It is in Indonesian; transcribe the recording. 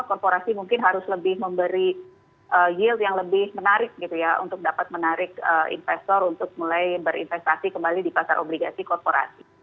untuk dapat menarik investor untuk mulai berinvestasi kembali di pasar obligasi korporasi